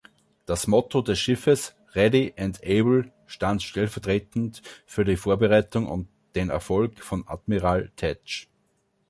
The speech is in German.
Das Motto des Schiffes, „Ready and Able“, stand stellvertretend für die Vorbereitung und den Erfolg von Admiral Thach.